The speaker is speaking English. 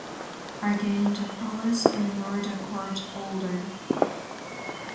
Again, the police ignored the court order.